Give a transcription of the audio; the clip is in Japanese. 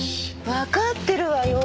わかってるわよ。